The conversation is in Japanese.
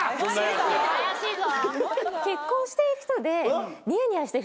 怪しいぞ。